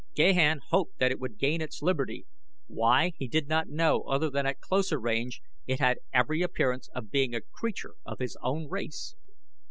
Gahan hoped that it would gain its liberty, why he did not know other than at closer range it had every appearance of being a creature of his own race.